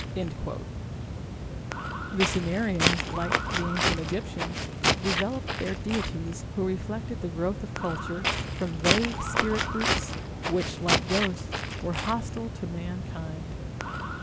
The Sumerians, like the Ancient Egyptians, developed their deities, who reflected the growth of culture, from vague spirit groups, which, like ghosts, were hostile to mankind.